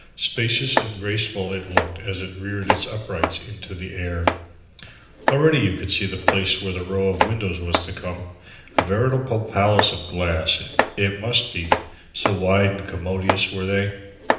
Spacious and graceful it looked as it reared its uprights into the air. Already you could see the place where the row of windows was to come, a veritable palace of glass, it must be, so wide and commodious were they.